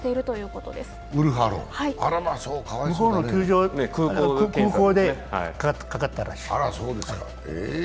向こうの空港でかかったらしい。